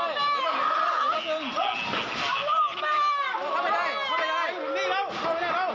เอาลูกแม่ค่ะโอเคโอเค